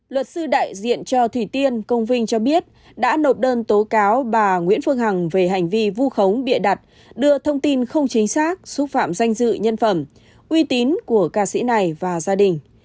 luật sư đại diện cho thủy tiên công vinh cho biết đã nộp đơn tố cáo bà nguyễn phương hằng về hành vi vu khống bịa đặt đưa thông tin không chính xác xúc xúc phạm danh dự nhân phẩm uy tín của ca sĩ này và gia đình